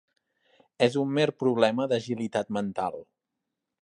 És un mer problema d'agilitat mental.